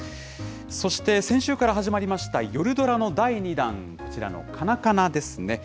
そして、先週から始まりました夜ドラの第２弾、こちらのカナカナですね。